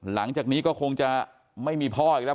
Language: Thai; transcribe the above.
หลังจากนี้ก็คงจะไม่มีพ่ออีกแล้ว